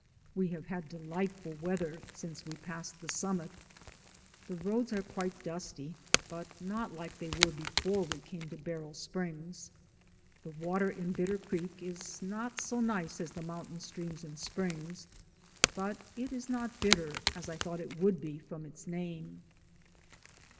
We have had delightful weather, since we passed the sum mit. The roads are quite dusty, but not like they were before we came to Barrel Springs. The water in Bitter Creek is not so nice as DAYS ON THE ROAD. 187 the mountain streams and springs, but it is not bitter, as I thought it would be from its name.